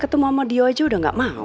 ketemu sama dia aja udah gak mau